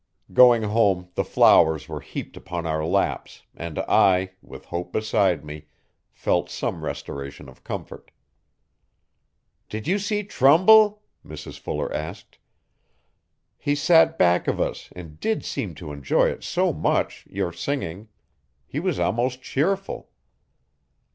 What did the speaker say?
Going home the flowers were heaped upon our laps and I, with Hope beside me, felt some restoration of comfort. 'Did you see Trumbull?' Mrs Fuller asked. 'He sat back of us and did seem to enjoy it so much your singing. He was almost cheerful.